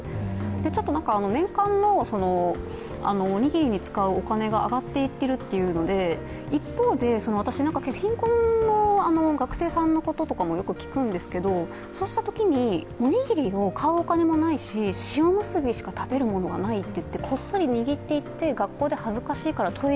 ちょっと年間のおにぎりに使うお金が上がっていっているというので一方で私、貧困の学生さんのことも聞くんですけど、そうしたときに、おにぎりを買うお金もないし、塩むすびしか食べるものがないといって、学校で恥ずかしいからトイ